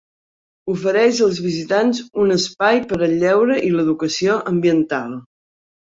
Ofereix als visitants un espai per al lleure i l'educació ambiental.